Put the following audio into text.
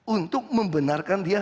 untuk membenarkan dia